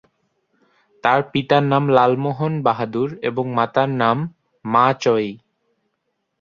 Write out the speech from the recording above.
তার পিতার নাম লালমোহন বাহাদুর এবং মাতার নাম মা চয়ই।